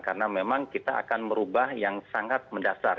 karena memang kita akan merubah yang sangat mendasar